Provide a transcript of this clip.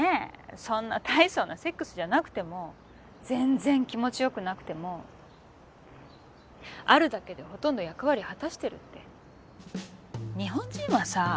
そんな大層なセックスじゃなくても全然気持ちよくなくてもあるだけでほとんど役割果たしてるって日本人はさ